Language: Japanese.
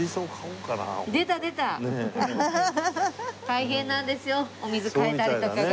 大変なんですよお水換えたりとかが。